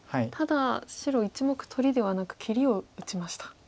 ただ白１目取りではなく切りを打ちました。